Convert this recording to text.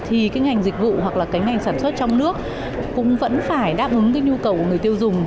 thì ngành dịch vụ hoặc ngành sản xuất trong nước cũng vẫn phải đáp ứng nhu cầu của người tiêu dùng